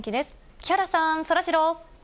木原さん、そらジロー。